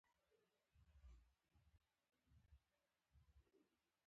د تونل په بڼه غارې ایستل شوي.